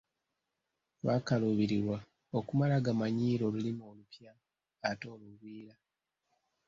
Bakaluubirwa okumala gamanyiira Olulimi olupya ate olugwira.